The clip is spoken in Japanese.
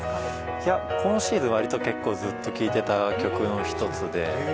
今シーズン、わりと結構ずっと聴いてた曲の一つで。